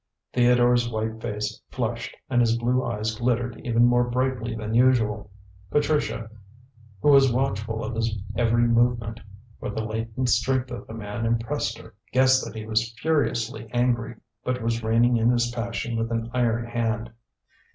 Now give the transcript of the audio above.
Theodore's white face flushed and his blue eyes glittered even more brightly than usual. Patricia, who was watchful of his every movement for the latent strength of the man impressed her guessed that he was furiously angry, but was reining in his passion with an iron hand.